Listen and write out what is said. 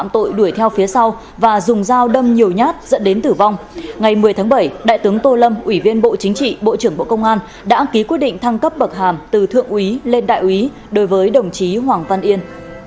ngày một mươi tháng bảy đại tướng tô lâm ủy viên bộ chính trị bộ trưởng bộ công an đã ký quyết định thăng cấp bậc hàm từ thượng úy lên đại úy đối với đồng chí hoàng văn yên